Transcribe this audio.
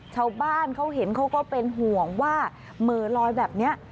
ชาวบ้านเขาเห็นเขาก็เป็นห่วงว่าเหม่อลอยแบบนี้